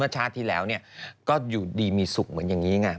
ชาติที่แล้วก็อยู่ดีมีสุขเหมือนอย่างนี้ไง